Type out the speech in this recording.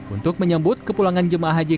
untuk menyebut kepulangan jemaah haji